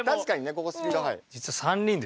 ここスピード速い。